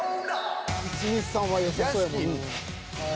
１２３はよさそうやもんなぁ。